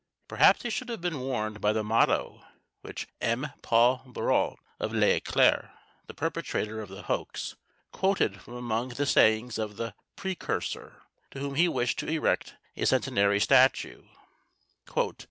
Perhaps they should have been warned by the motto which M. Paul Bérault, of L'Eclair, the perpetrator of the hoax, quoted from among the sayings of the "precursor" to whom he wished to erect a centenary statue.